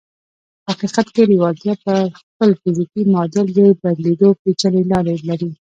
په حقیقت کې لېوالتیا پر خپل فزیکي معادل د بدلېدو پېچلې لارې لري